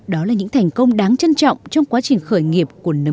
đó là những thành công đáng trân trọng trong quá trình khởi nghiệp của nấm tươi cười